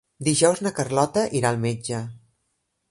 Dijous na Carlota irà al metge.